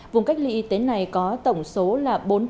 vùng cách ly y tế này có tổng số là bốn